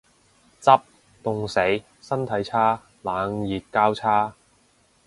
執，凍死。身體差。冷熱交叉